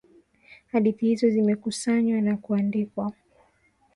Hadithi hizo zimekusanywa na kuandikwa.